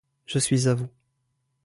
Je suis à vous.